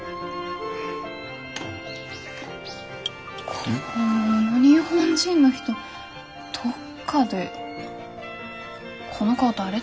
この日本人の人どっかでこの顔誰だっけ？